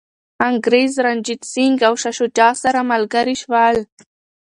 انګریز، رنجیت سنګ او شاه شجاع سره ملګري شول.